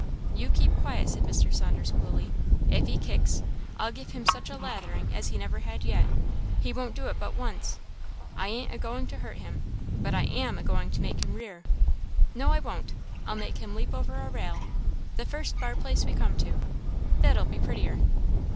"You keep quiet," said Mr. Saunders, coolly; "if he kicks, I'll give him such a lathering as he never had yet; he won't do it but once. I ain't agoing to hurt him, but I am agoing to make him rear no, I won't I'll make him leap over a rail, the first bar place we come to that'll be prettier."